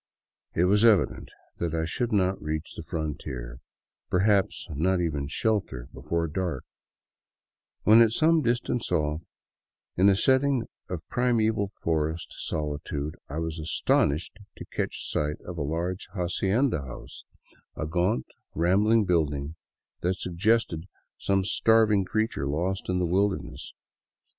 It was evident that I should not reach the frontier, perhaps not even shelter, before dark, when, at some distance off, in a setting of primeval forest solitude I was astonished to catch sight of a large hacienda house, a gaunt, rambling building that suggested some starving creature lost in the wilderness.